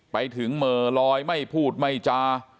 ไปถึงเหม่อลอยไม่พูดไม่จา